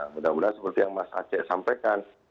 mudah mudahan seperti yang mas aceh sampaikan